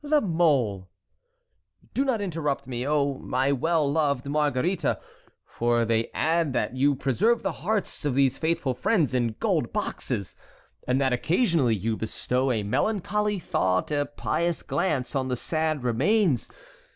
"La Mole!" "Do not interrupt me, oh, my well loved Margarita, for they add that you preserve the hearts of these faithful friends in gold boxes, and that occasionally you bestow a melancholy thought, a pious glance on the sad remains.